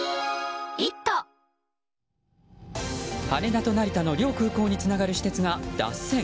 羽田と成田の両空港につながる私鉄が脱線。